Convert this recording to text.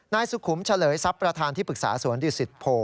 นายสุขุมเฉลยทรัพย์ประธานที่ปรึกษาสวนดิสิตโพ